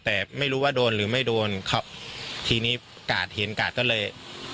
แต่ไม่รู้ว่าโดนหรือไม่โดนครับทีนี้กาดเห็นกาดก็เลย